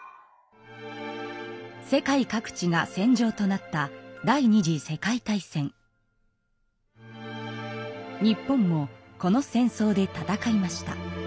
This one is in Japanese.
世界各地が戦場となった日本もこの戦争で戦いました。